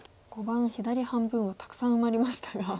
碁盤左半分はたくさん埋まりましたが。